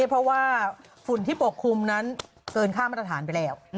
เพราะว่าฝุ่นที่ปกคลุมนั้นเกินค่ามาตรฐานไปแล้ว